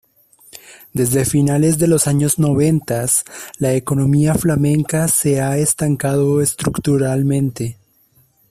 Desde fines de los años noventas, la economía flamenca se ha estancado estructuralmente.